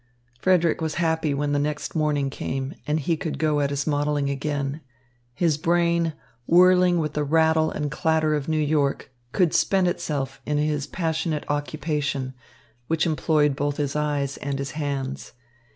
Frederick was happy when the next morning came and he could go at his modelling again. His brain, whirling with the rattle and clatter of New York, could spend itself in his passionate occupation, which employed both his eyes and his hands.